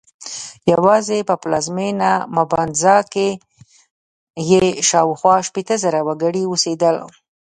یوازې په پلازمېنه مبانزا کې یې شاوخوا شپېته زره وګړي اوسېدل.